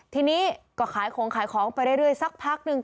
ทีนี้ก็ขายของไปเรื่อยสักพักหนึ่ง